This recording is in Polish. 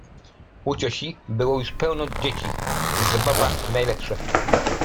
U cioci było już pełno dzieci i zabawa w najlepsze.